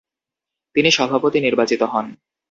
তিনি সভাপতি নির্বাচিত হন।